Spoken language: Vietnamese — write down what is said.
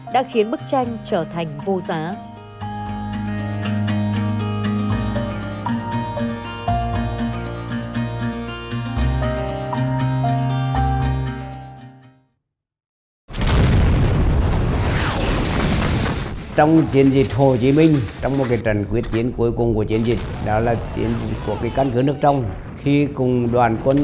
đã khiến bức tranh trở thành vô giá